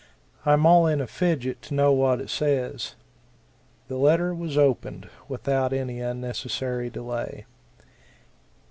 I am all in a fidget to know what it says." The letter was opened, without any unnecessary delay.